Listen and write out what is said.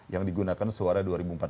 yang digunakan suara dua ribu empat belas